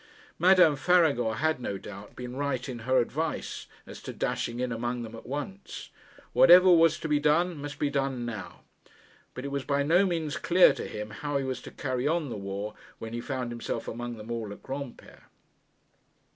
Madame Faragon had, no doubt, been right in her advice as to dashing in among them at once. Whatever was to be done must be done now. But it was by no means clear to him how he was to carry on the war when he found himself among them all at Granpere.